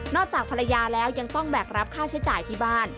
จากภรรยาแล้วยังต้องแบกรับค่าใช้จ่ายที่บ้าน